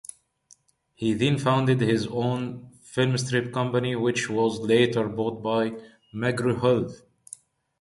He then founded his own filmstrip company which was later bought by McGraw Hill.